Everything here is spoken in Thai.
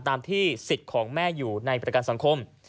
ที่สิทธิ์ของแม่อยู่ในประกันสังคม